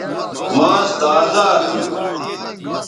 ماس تازا تھو